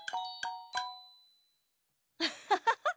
アッハハハ。